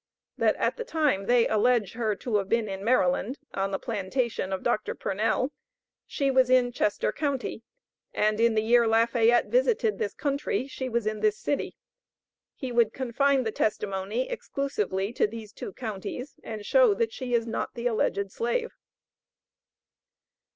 That at the time they allege her to have been in Maryland, on the plantation of Dr. Purnell, she was in Chester county, and in the year Lafayette visited this country, she was in this city. He would confine the testimony exclusively to these two counties, and show that she is not the alleged slave.